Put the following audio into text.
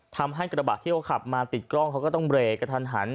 ทำให้กระบะที่เขาขับมาติดกล้องเขาก็ต้องเบรกกระทันหัน